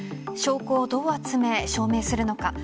証拠をどう集め、証明するのか。